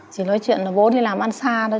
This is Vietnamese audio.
chỉ nói chuyện là bố đi làm ăn xa thôi